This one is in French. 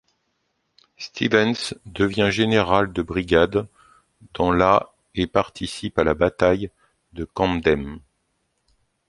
Stevens devient général de brigade dans la et participe à la bataille de Camden.